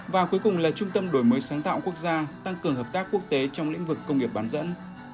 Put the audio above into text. và cuối cùng là trung tâm đổi mới sáng tạo quốc gia tăng cường hợp tác quốc tế trong lĩnh vực công nghiệp bán dẫn